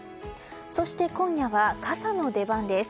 そして、今夜は傘の出番です。